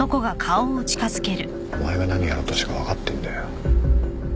お前が何やろうとしてるか分かってんだよ。